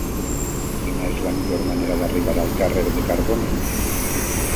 Quina és la millor manera d'arribar al carrer de Carbonell?